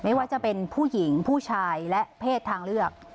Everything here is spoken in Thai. ไม่ว่าจะเป็นผู้หญิงผู้ชายและเพศทางเลือก